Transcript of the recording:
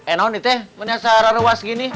eh mau nih tte menyesal ruas gini